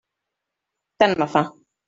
Tant me fa.